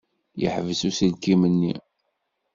Yeḥbes uselkim-nni.